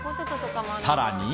更に。